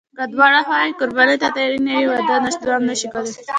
که دواړه خواوې قرباني ته تیارې نه وي، واده دوام نشي کولی.